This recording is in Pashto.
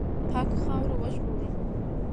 پاکه خاوره وژغوره.